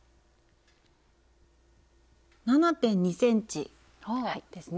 ７．２ｃｍですね。